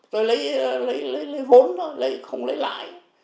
tôi lấy vốn thôi không lấy lại